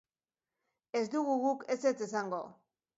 Ez dugu guk ezetz esango.